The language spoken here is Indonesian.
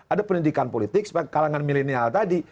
ada pendidikan politik supaya kalangan milenial tadi